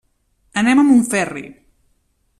Anem a Montferri.